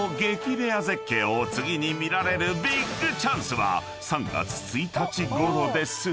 レア絶景を次に見られるビッグチャンスは３月１日ごろです］